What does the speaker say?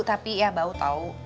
tapi ya bau tau